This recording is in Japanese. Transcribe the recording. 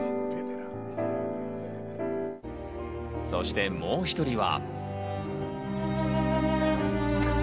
そしてもう１人は。